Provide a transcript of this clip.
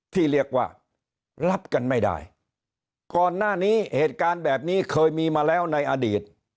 ที่เรียกว่ารับกันไม่ได้ก่อนหน้านี้เหตุการณ์แบบนี้เคยมีมาแล้วในอดีต